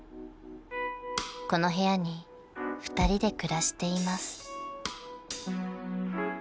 ［この部屋に２人で暮らしています］